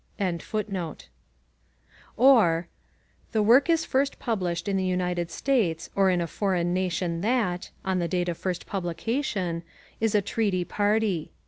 + The work is first published in the United States or in a foreign nation that, on the date of first publication, is a treaty party.